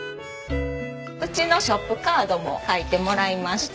うちのショップカードも描いてもらいました。